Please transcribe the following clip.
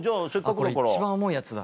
これ一番重いやつだ。